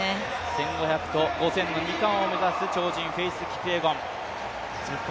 １５００と５０００の２冠を目指す超人フェイス・キピエゴン。